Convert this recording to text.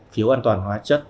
phiếu an toàn hóa chất